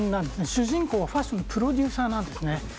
主人公がファッションのプロデューサーなんですね。